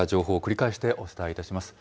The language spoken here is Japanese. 繰り返してお伝えします。